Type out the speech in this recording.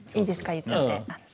言っちゃって。